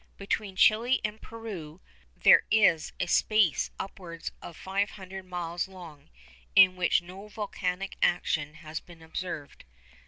Between Chili and Peru there is a space upwards of five hundred miles long, in which no volcanic action has been observed.